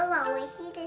おいしい。